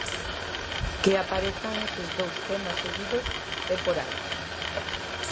Que aparezan eses dous temas seguidos é por algo.